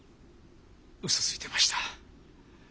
ウソついてました。